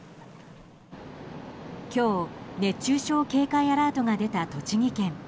今日、熱中症警戒アラートが出た栃木県。